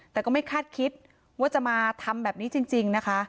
แต่ก็ไม่คาดคิดว่าจะมาทำแบบนี้จริงนะคะ